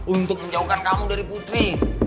untuk menjauhkan kamu dari putri